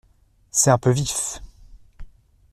C’est un peu vif !…